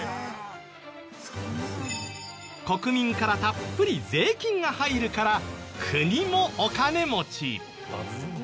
国民からたっぷり税金が入るから国もお金持ち。